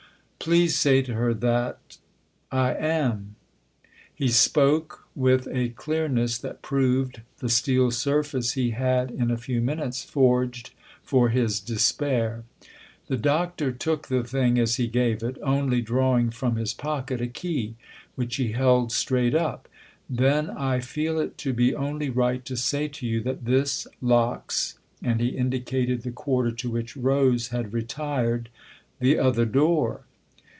" Please say to her that I am." He spoke with a clearness that proved the steel surface he had in a few minutes forged for his despair. The Doctor took the thing as he gave it, only drawing from his pocket a key, which he held straight up. " Then I feel it to be only right to say to you that this locks " and he indicated the quarter to which Rose had retired " the other door."